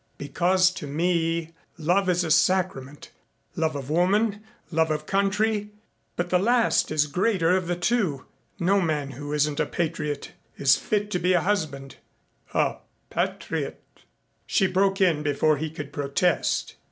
"Because to me love is a sacrament. Love of woman love of country, but the last is the greater of the two. No man who isn't a patriot is fit to be a husband." "A patriot " She broke in before he could protest.